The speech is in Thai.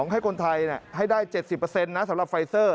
ให้คนไทยให้ได้๗๐นะสำหรับไฟเซอร์